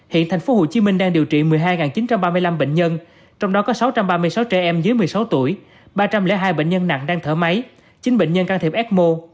hiện tp hcm đang điều trị một mươi hai chín trăm ba mươi năm bệnh nhân trong đó có sáu trăm ba mươi sáu trẻ em dưới một mươi sáu tuổi ba trăm linh hai bệnh nhân nặng đang thở máy chín bệnh nhân can thiệp ecmo